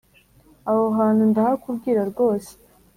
aho hantu ndahakubwira rwose